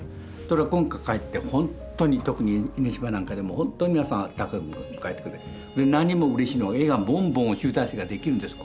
ところが今回帰ってほんとに特に家島なんかでもほんとに皆さんあったかく迎えてくれて何よりもうれしいのは絵がボンボン集大成ができるんです